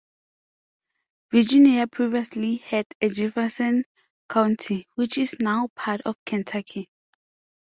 Virginia previously had a Jefferson County, which is now part of Kentucky.